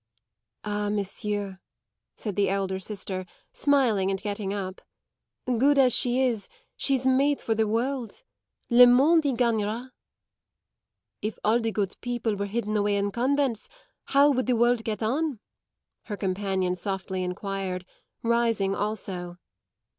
"Ah, monsieur," said the elder sister, smiling and getting up, "good as she is, she's made for the world. Le monde y gagnera." "If all the good people were hidden away in convents how would the world get on?" her companion softly enquired, rising also.